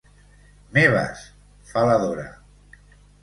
Meves! —fa la Dora—.